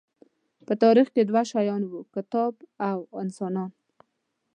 په تاریخ کې دوه شیان وو، کتاب او انسانان.